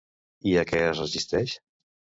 I a què es resisteix?